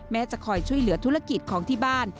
จะคอยช่วยเหลือธุรกิจของที่บ้าน